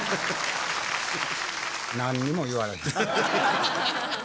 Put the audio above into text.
何にも言われへん。